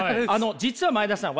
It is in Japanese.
実は前田さん